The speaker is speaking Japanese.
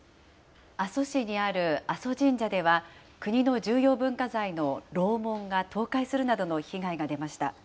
阿蘇市にある阿蘇神社では、国の重要文化財の楼門が倒壊するなどの被害が出ました。